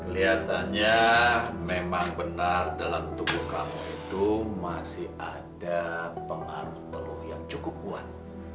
kelihatannya memang benar dalam tubuh kamu itu masih ada pengaruh peluh yang cukup kuat